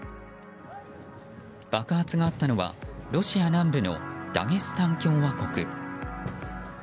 爆発があったのはロシア南部のダゲスタン共和国。